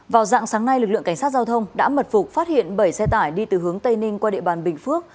vào dạng sáng nay lực lượng cảnh sát giao thông đã mật phục phát hiện bảy xe tải đi từ hướng tây ninh qua địa bàn bình phước